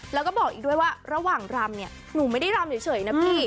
แล้วก็บอกอีกด้วยว่าระหว่างรำเนี่ยหนูไม่ได้รำเฉยนะพี่